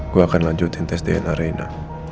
gua akan lanjutin tes dna rena